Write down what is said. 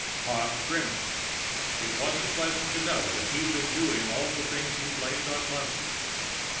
Hawkes grimaced. It wasn't pleasant to know, that he'd been doing all the things he'd blamed on monsters.